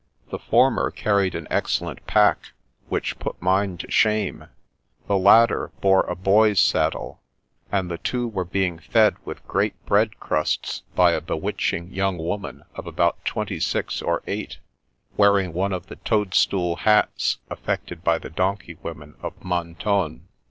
The former carried an excellent pack, which put mine to shame; the latter bore a boy's saddle, and the two were being fed with great bread crusts by a bewitching young woman of about twenty six or eight, wearing one of the toad stool hats affected by the donkey women of Mentone.